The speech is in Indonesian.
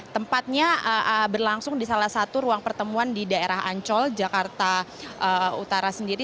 tempatnya berlangsung di salah satu ruang pertemuan di daerah ancol jakarta utara sendiri